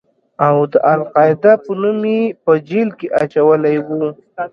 او د القاعده په نوم يې په جېل کښې اچولى و.